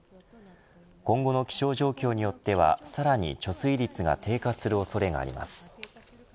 今後の気象状況によってはさらに貯水率が低下する恐れがあります。